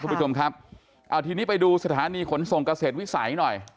คุณผู้ชมครับเอาทีนี้ไปดูสถานีขนส่งเกษตรวิสัยหน่อย